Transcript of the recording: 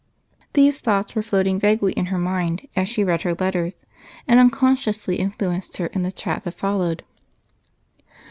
These thoughts were floating vaguely in her mind as she read her letters and unconsciously influenced her in the chat that followed.